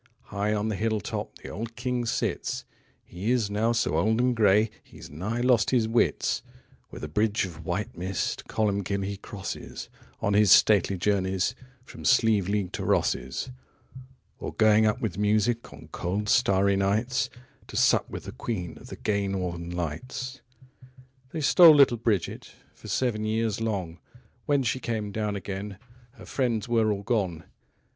High on the hill top The old King sits; He is now so old and gray He 's nigh lost his wits. 20 With a bridge of white mist Columbkill he crosses, On his stately journeys From Slieveleague to Rosses; Or going up with music 25 On cold starry nights To sup with the Queen Of the gay Northern Lights. They stole little Bridget For seven years long; 30 When she came down again Her friends were all gone.